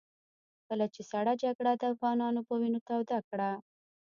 کله چې سړه جګړه د افغانانو په وينو توده کړه.